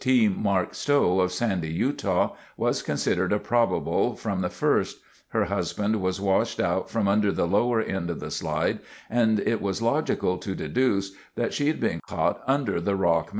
T. Mark Stowe of Sandy, Utah, was considered a probable from the first. Her husband was washed out from under the lower end of the slide, and it was logical to deduce that she'd been caught under the rock mass.